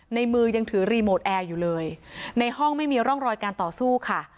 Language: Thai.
ในมือยังถือรีโมทแอร์อยู่เลยในห้องไม่มีร่องรอยการต่อสู้ค่ะ